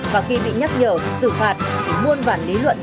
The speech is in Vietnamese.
và khi bị nhắc nhở xử phạt thì muôn vản lý luận được đưa ra